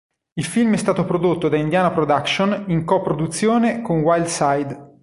Il film è stato prodotto da Indiana Production in coproduzione con Wildside.